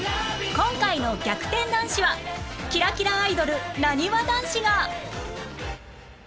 今回の『逆転男子』はキラキラアイドルなにわ男子が